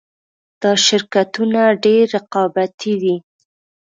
دا شرکتونه ډېر رقابتي دي